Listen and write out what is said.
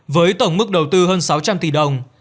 với tổng mức đầu tư hơn sáu trăm linh tỷ đồng